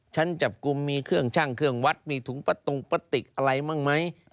ฉันจับกลุ่มมีเครื่องชั่งเครื่องวัดมีถุงประตงประติกอะไรบ้างไหม